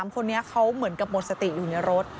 คนนี้เขาเหมือนกับหมดสติอยู่ในรถ